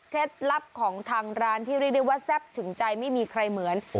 ลับของทางร้านที่เรียกได้ว่าแซ่บถึงใจไม่มีใครเหมือน